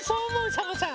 サボさん。